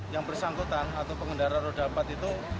yang bersangkutan atau pengendara roda empat itu